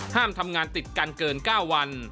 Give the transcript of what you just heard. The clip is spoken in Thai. ทำงานติดกันเกิน๙วัน